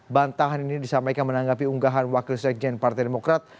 bantahan ini disampaikan menanggapi unggahan wakil sekjen partai demokrat